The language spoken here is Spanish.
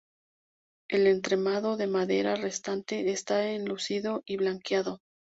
El entramado de madera restante está enlucido y blanqueado.